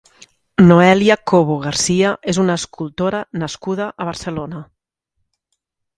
Noelia Cobo García és una escultora nascuda a Barcelona.